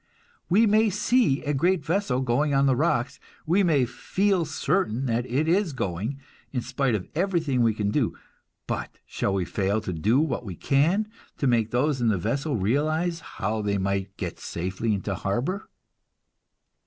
We may see a great vessel going on the rocks; we may feel certain that it is going, in spite of everything we can do; but shall we fail to do what we can to make those in the vessel realize how they might get safely into the harbor?